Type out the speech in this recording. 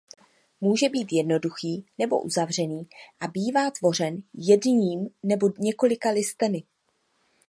Může být jednoduchý nebo uzavřený a bývá tvořen jedním nebo několika listeny.